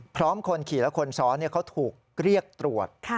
คนขี่และคนซ้อนเขาถูกเรียกตรวจ